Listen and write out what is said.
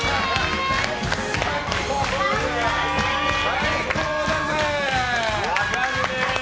最高だぜー！